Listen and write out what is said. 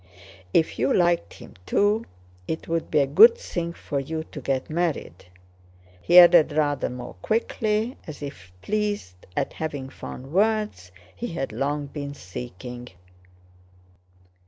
"If you liked him too, it would be a good thing for you to get married," he added rather more quickly, as if pleased at having found words he had long been seeking.